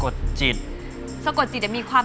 ใกล้เป็นบตัดที่ได้มากเลยนะ